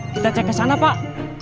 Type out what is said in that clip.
kita cek kesana pak